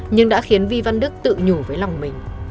nhưng đã khiến vi văn đức tự nhủ với lòng mình